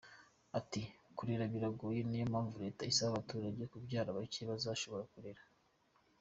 Ati “ Kurera biragoye, niyo mpamvu Leta isaba abaturage kubyara bacye bazashobora kurera.